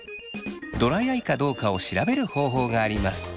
ドライアイかどうかを調べる方法があります。